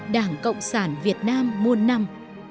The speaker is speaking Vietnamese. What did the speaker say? đảng cộng sản việt nam muôn năm